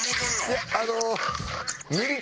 いやあの。